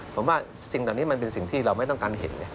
ผมว่าสิ่งเหล่านี้มันเป็นสิ่งที่เราไม่ต้องการเห็น